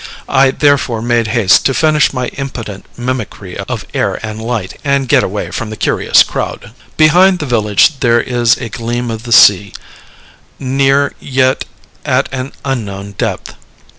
I therefore made haste to finish my impotent mimicry of air and light, and get away from the curious crowd. Behind the village there is a gleam of the sea, near, yet at an unknown depth.